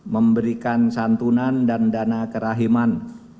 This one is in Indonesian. memberikan santunan dan dana kerahiman